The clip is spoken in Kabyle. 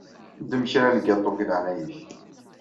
Ddem kra n lgaṭu deg leɛnaya-k.